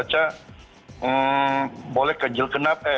karena boleh kejel kenap